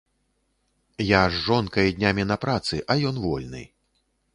Я з жонкай днямі на працы, а ён вольны.